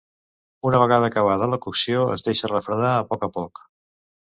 Una vegada acabada la cocció, es deixa refredar a poc a poc.